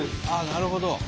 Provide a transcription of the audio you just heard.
ああなるほど。